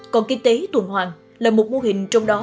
còn kinh tế tuần hoàng là một mô hình trong đó